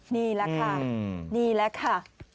นี่แหละค่ะนี่แหละค่ะ